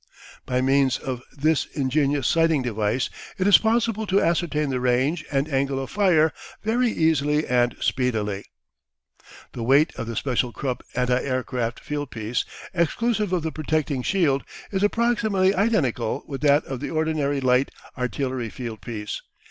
By means of this ingenious sighting device it is possible to ascertain the range and angle of fire very easily and speedily. The weight of the special Krupp anti aircraft field piece, exclusive of the protecting shield, is approximately identical with that of the ordinary light artillery field piece.